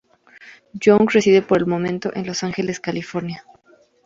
Young reside por el momento en Los Ángeles, California.